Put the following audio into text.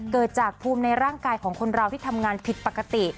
เกิดจากภูมิในร่างกายของคนเราที่ทำงานผิดปกติ